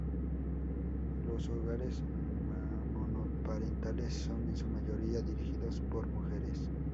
Los hogares monoparentales son, en su mayoría, dirigidos por mujeres.